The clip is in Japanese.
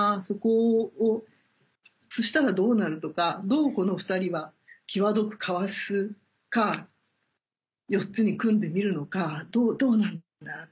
そこをそしたらどうなるとかどうこの２人は際どくかわすか４つに組んでみるのかどうなんだ？